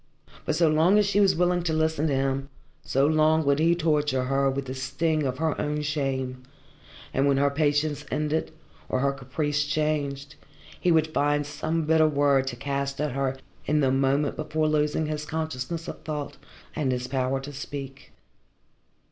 But so long as she was willing to listen to him, so long would he torture her with the sting of her own shame, and when her patience ended, or her caprice changed, he would find some bitter word to cast at her in the moment before losing his consciousness of thought and his power to speak.